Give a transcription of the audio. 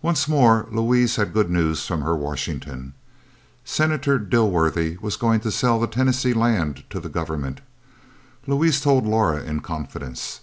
Once more Louise had good news from her Washington Senator Dilworthy was going to sell the Tennessee Land to the government! Louise told Laura in confidence.